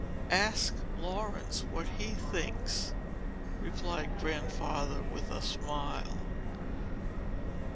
"Ask Laurence what he thinks," replied Grandfather with a smile.